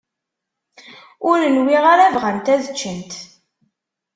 Ur nwiɣ ara bɣant ad ččent.